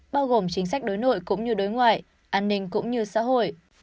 bao gồm chính sách đối nội cũng như đối ngoại an ninh cũng như xã hội